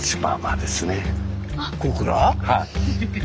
はい。